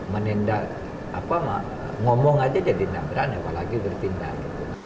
menindak apa ngomong aja jadi tidak berani apalagi bertindak